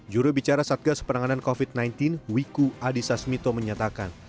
jurubicara satgas penanganan covid sembilan belas wiku adhisa smito menyatakan